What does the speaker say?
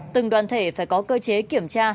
từng đoàn thể phải có cơ chế kiểm tra